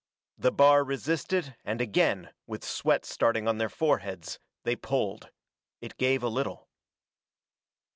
The bar resisted and again, with sweat starting on their foreheads, they pulled. It gave a little.